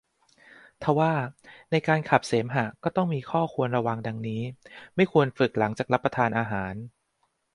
ทว่าในการขับเสมหะก็มีข้อควรระวัง ดังนี้ ไม่ควรฝึกหลังจากรับประทานอาหาร